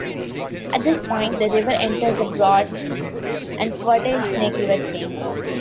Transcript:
At this point the river enters the broad and fertile Snake River Plain.